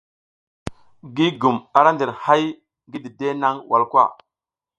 Gigum ara ndir hay ngi dide nang walkwa.